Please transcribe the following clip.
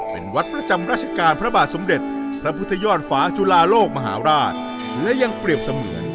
เป็นวัดประจำราชการพระบาทสมเดรสพระพุทธยอดฝาจุฬาโลกมหาราช